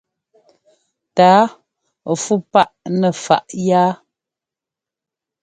Tǎa fú paʼ nɛ faʼ yá.